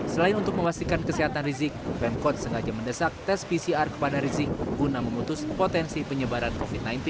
selain untuk memastikan kesehatan rizik pemkot sengaja mendesak tes pcr kepada rizik guna memutus potensi penyebaran covid sembilan belas